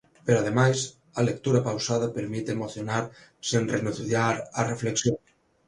Pero ademais, a lectura pausada permite emocionar sen renunciar á reflexión.